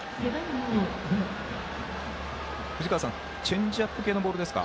藤川さん、チェンジアップ系のボールですか？